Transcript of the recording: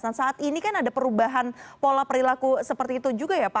nah saat ini kan ada perubahan pola perilaku seperti itu juga ya pak